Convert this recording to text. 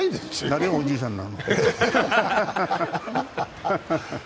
誰がおじいさんなの？